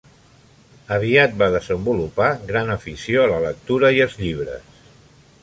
Aviat va desenvolupar gran afició a la lectura i als llibres.